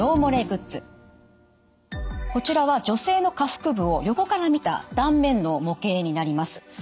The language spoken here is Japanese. こちらは女性の下腹部を横から見た断面の模型になります。